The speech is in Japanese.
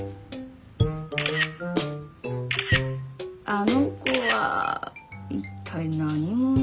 あの子は一体何者？